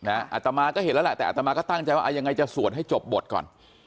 อาตมาก็เห็นแล้วแหละแต่อัตมาก็ตั้งใจว่ายังไงจะสวดให้จบบทก่อน